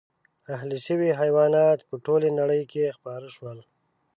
اهلي شوي حیوانات په ټولې نړۍ کې خپاره شول.